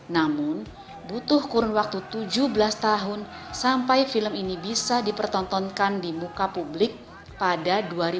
namun butuh kurun waktu tujuh belas tahun sampai film ini bisa dipertontonkan di muka publik pada dua ribu dua puluh